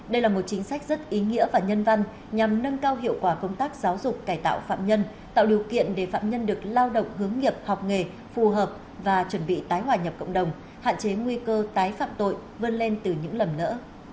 đây là một chính sách rất ý nghĩa và nhân văn nhằm nâng cao hiệu quả công tác giáo dục cải tạo phạm nhân tạo điều kiện để phạm nhân được lao động hướng nghiệp học nghề phù hợp và chuẩn bị tái hòa nhập cộng đồng hạn chế nguy cơ tái phạm tội vươn lên từ những lầm lỡ